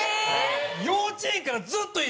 幼稚園からずっと一緒で。